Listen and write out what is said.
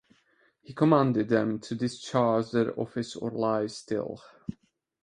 He commanded them to discharge their office or lie still.